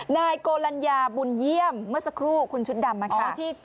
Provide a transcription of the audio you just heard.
นายโกลัญญาบุญเยี่ยมเมื่อสักครู่คุณชุดดำนะคะ